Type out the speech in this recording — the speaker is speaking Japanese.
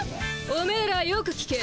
おめえらよく聞け。